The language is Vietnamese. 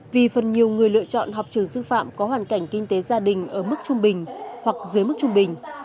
vì phần nhiều người lựa chọn học trường sư phạm có hoàn cảnh kinh tế gia đình ở mức trung bình hoặc dưới mức trung bình